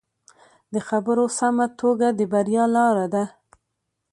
د خبرو سمه توګه د بریا لاره ده